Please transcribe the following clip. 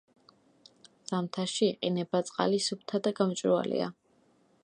ზამთარში იყინება, წყალი სუფთა და გამჭვირვალეა.